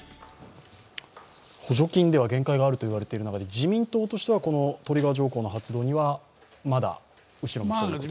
補助金では限界があると言われている中で自民党としてはトリガー条項の発動にはまだ後ろ向きということで。